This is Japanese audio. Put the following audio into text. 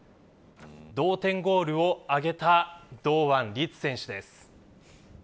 同点ゴールを挙げた堂安律選手です。